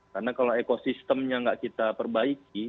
karena kalau ekosistemnya nggak kita perbaiki